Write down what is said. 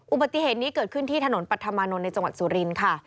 อุบัติเหตุนี้เกิดขึ้นที่ถนนปัธมานนท์ในจังหวัดสุรินทร์ค่ะ